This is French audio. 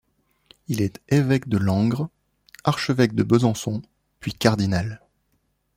Il est évêque de Langres, archevêque de Besançon puis cardinal.